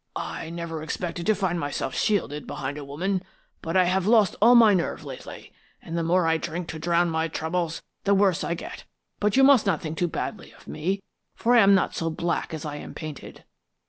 "I never expected to find myself shielded behind a woman. But I have lost all my nerve lately, and the more I drink to drown my troubles, the worse I get. But you must not think too badly of me, for I am not so black as I am painted."